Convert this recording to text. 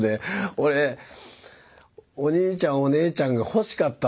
俺お兄ちゃんお姉ちゃんが欲しかったんですよ